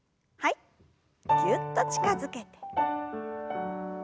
ぎゅっと近づけて。